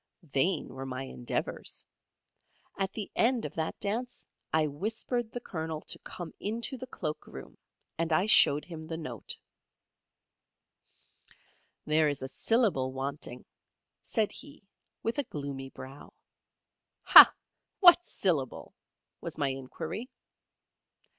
Vain were my endeavours. At the end of that dance I whispered the Colonel to come into the cloak room, and I showed him the note. "There is a syllable wanting," said he, with a gloomy brow. "Hah! What syllable?" was my inquiry.